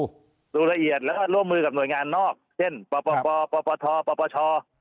ดูละเอียดแล้วก็ร่วมมือกับหน่วยงานนอกเช่นปปทปปช